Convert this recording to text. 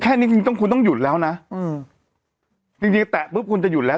แค่นี้จริงต้องคุณต้องหยุดแล้วนะอืมจริงจริงแตะปุ๊บคุณจะหยุดแล้ว